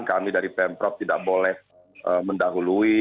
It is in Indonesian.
kami dari pemprov tidak boleh mendahului